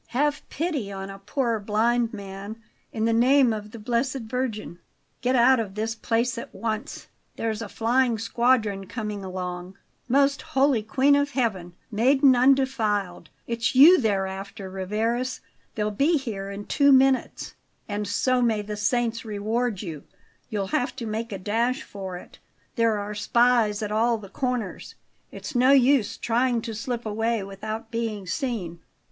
"Have pity on a poor blind man, in the name of the Blessed Virgin Get out of this place at once; there's a flying squadron coming along Most Holy Queen of Heaven, Maiden undefiled It's you they're after, Rivarez; they'll be here in two minutes And so may the saints reward you You'll have to make a dash for it; there are spies at all the corners. It's no use trying to slip away without being seen."